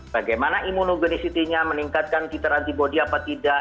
bagaimana imunogenisity nya meningkatkan kitarantibodi apa tidak